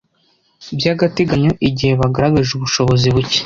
by agateganyo igihe bagaragaje ubushobozi buke